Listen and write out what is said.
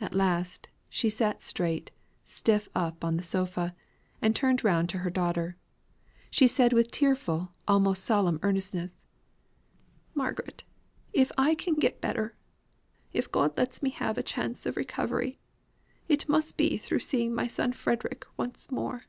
At last, she sat straight, stiff up on the sofa, and turning round to her daughter, she said with tearful, almost solemn earnestness, "Margaret, if I can get better, if God lets me have a chance of recovery, it must be through seeing my son Frederick once more.